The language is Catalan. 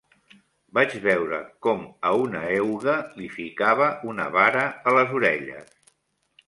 Vaig veure com a una euga li ficava una vara a les orelles.